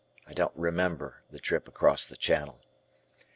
I don't remember the trip across the channel.